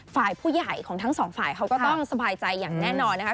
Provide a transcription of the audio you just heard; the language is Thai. ฝ่ายผู้ใหญ่ของทั้งสองฝ่ายเขาก็ต้องสบายใจอย่างแน่นอนนะคะ